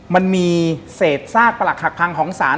มันมีเศษซากประหลักหักพังของสาร